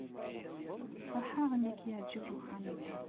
Feṛḥeɣ imi ay k-yeɛjeb uxxam-nteɣ.